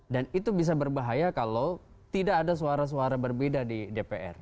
dan itu bisa berbahaya kalau tidak ada suara suara berbeda di dpr